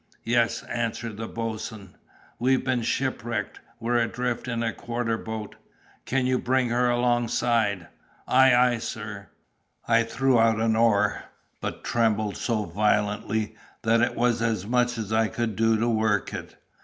"Yes!" answered the boatswain. "We've been shipwrecked; we're adrift in a quarter boat." "Can you bring her alongside?" "Ay, ay, sir!" I threw out an oar, but trembled so violently that it was as much as I could do to work it.